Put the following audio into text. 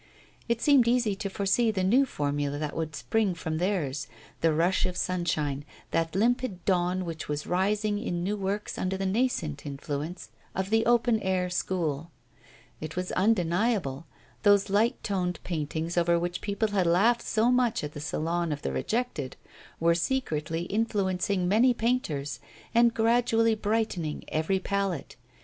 It seemed easy to foresee the new formula that would spring from theirs, that rush of sunshine, that limpid dawn which was rising in new works under the nascent influence of the 'open air' school. It was undeniable; those light toned paintings over which people had laughed so much at the Salon of the Rejected were secretly influencing many painters, and gradually brightening every palette.